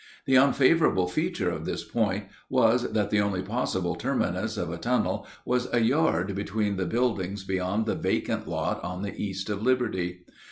The unfavorable feature of this point was that the only possible terminus of a tunnel was a yard between the buildings beyond the vacant lot on the east of Libby.